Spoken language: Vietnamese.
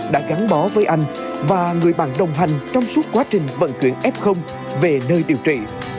đã gắn bó với anh và người bạn đồng hành trong suốt quá trình vận chuyển f về nơi điều trị